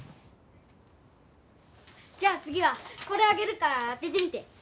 じゃあ次はこれあげるから当ててみて。